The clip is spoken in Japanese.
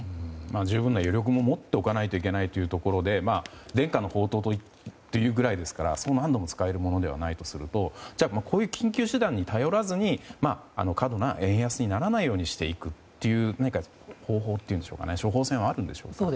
十分な余力を持っておかなければいけないというところで伝家の宝刀というくらいですからそう何度も使えるものではないとするとこういう緊急手段に頼らずに過度な円安にならないようにしていくという方法というか処方箋はありますか。